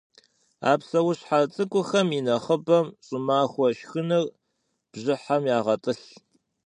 А псэущхьэ цӏыкӏухэм инэхъыбэм щӏымахуэ шхыныр бжьыхьэм ягъэтӏылъ.